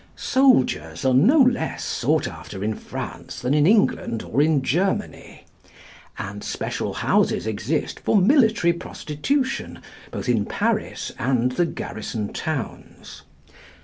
Soldiers are no less sought after in France than in England or in Germany, and special houses exist for military prostitution both in Paris and the garrison towns.